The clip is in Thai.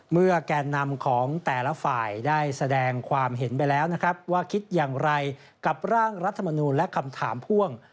แกนนำของแต่ละฝ่ายได้แสดงความเห็นไปแล้วนะครับว่าคิดอย่างไรกับร่างรัฐมนูลและคำถามพ่วง